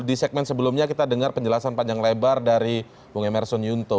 di segmen sebelumnya kita dengar penjelasan panjang lebar dari bung emerson yunto